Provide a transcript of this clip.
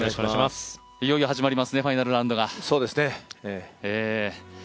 いよいよ始まりますねファイナルラウンドが。